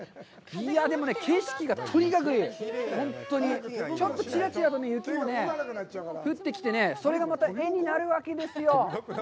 景色がとにかく本当にちょっとちらちらと雪も降ってきてね、それがまた絵になるわけですよ。